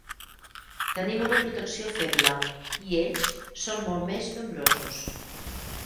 Tenim una protecció feble i ells són molt més nombrosos.